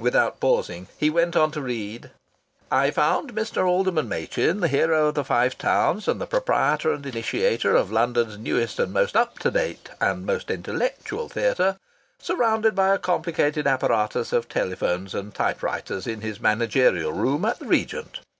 Without pausing, he went on to read: "I found Mr. Alderman Machin, the hero of the Five Towns and the proprietor and initiator of London's newest and most up to date and most intellectual theatre, surrounded by a complicated apparatus of telephones and typewriters in his managerial room at the Regent.